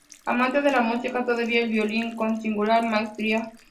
Amante de la música, tocaba el violín con singular maestría.